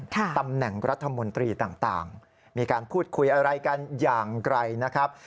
ตำแหน่งรัฐมนตรีต่างมีการพูดคุยอะไรกันอย่างไกลนะครับ